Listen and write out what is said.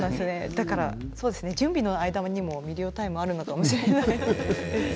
準備の間にも、みりおタイムがあるのかもしれない。